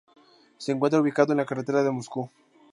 Se encuentra ubicado en la carretera de Moscú.